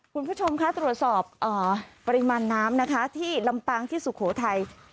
คุณผู้ชมคะตรวจสอบปริมาณน้ำนะคะที่ลำปางที่สุโขทัย